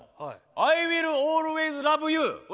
アイ・ウィル・オールウェイズ・ラブ・ユー。